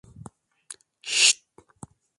Şişşt!